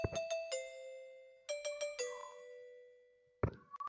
সহসা যশের আস্বাদ পাইয়া এমনি বিপদ হইল, প্রহসন আর কিছুতেই ছাড়িতে পারি না।